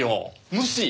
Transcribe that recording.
無視。